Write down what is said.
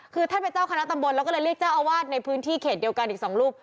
คือท่านเป็นเจ้าคณะตำบลแล้วก็เลยเรียกเจ้าอาวาสในพื้นที่เขตเดียวกันอีก๒รูป